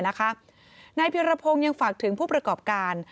นายเพียรพงศ์ยังฝากถึงผู้ประกอบการ